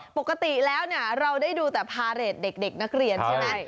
ปกติแล้วเราได้ดูแต่พาเรทเด็กนักเรียนใช่ไหม